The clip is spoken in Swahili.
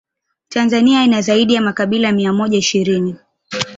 Tanzania ina zaidi ya makabila mia moja ishirini